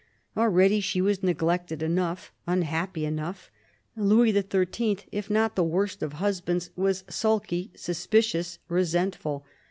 Already she was neglected enough, unhappy enough. Louis XIII., if not the worst of husbands, was sulky, suspicious, resentful.